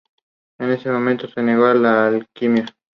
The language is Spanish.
Ambos dan vida desde ese punto al río Simpson.